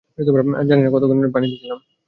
জানি না, কতক্ষন পানিতে ছিলাম।